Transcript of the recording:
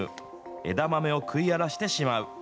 枝豆を食い荒らしてしまう。